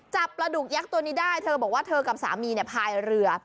จับปลาดุกยักษ์ตัวนี้ได้เธอบอกว่าเธอกับสามีเนี่ยพายเรือ